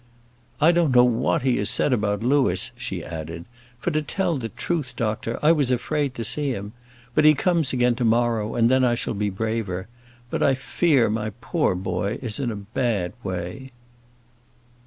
"I don't know what he has said about Louis," she added, "for, to tell the truth, doctor, I was afraid to see him. But he comes again to morrow, and then I shall be braver. But I fear that my poor boy is in a bad way."